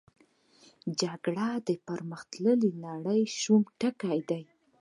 جګړه د پرمختللې نړۍ د شرم ټکی دی